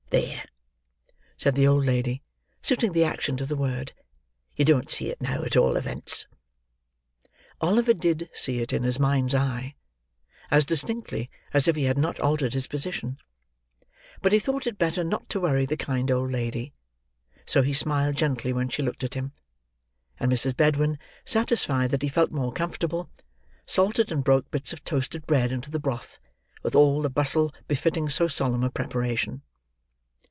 There!" said the old lady, suiting the action to the word; "you don't see it now, at all events." Oliver did see it in his mind's eye as distinctly as if he had not altered his position; but he thought it better not to worry the kind old lady; so he smiled gently when she looked at him; and Mrs. Bedwin, satisfied that he felt more comfortable, salted and broke bits of toasted bread into the broth, with all the bustle befitting so solemn a preparation.